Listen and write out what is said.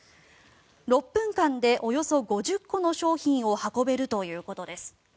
６分間でおよそ５０個の商品を運べるということです。